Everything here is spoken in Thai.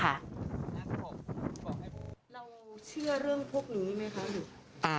เราเชื่อเรื่องพวกนี้ไหมคะหรือ